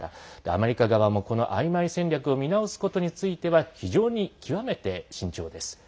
アメリカ側もこのあいまい戦略を見直すことについては非常に極めて慎重です。